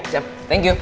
siap thank you